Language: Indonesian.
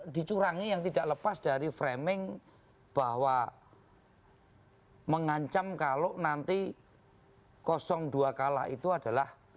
dicurangi yang tidak lepas dari framing bahwa mengancam kalau nanti dua kalah itu adalah